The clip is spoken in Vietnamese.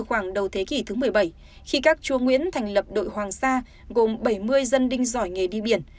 khoảng đầu thế kỷ thứ một mươi bảy khi các chúa nguyễn thành lập đội hoàng sa gồm bảy mươi dân đinh giỏi nghề đi biển